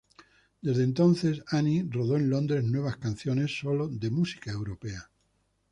Desde entonces, Ani rodó en Londres nuevas canciones solo de música europea.